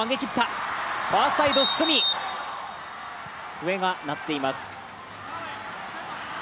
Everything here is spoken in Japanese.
笛が鳴っています。